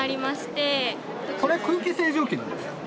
これ空気清浄機なんですか？